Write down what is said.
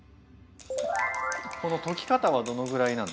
この溶き方はどのぐらいなんですか？